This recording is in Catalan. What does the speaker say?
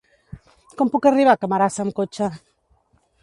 Com puc arribar a Camarasa amb cotxe?